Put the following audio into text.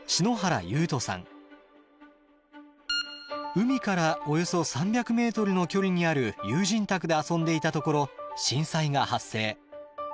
海からおよそ３００ｍの距離にある友人宅で遊んでいたところ震災が発生。